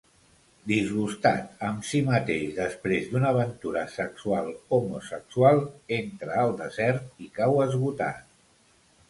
Disgustat amb si mateix després d'una aventura sexual homosexual, entra al desert i cau esgotat.